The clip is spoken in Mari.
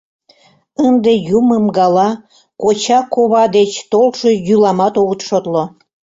Ынде юмым гала, коча-кова деч толшо йӱламат огыт шотло.